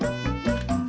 aku mau berbual